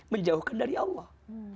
menjauhkan dari allah